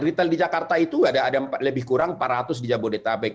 retail di jakarta itu ada lebih kurang empat ratus di jabodetabek